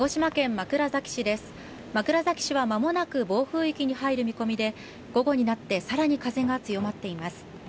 枕崎市は間もなく暴風域に入る見込みで午後になって更に風が強まっています。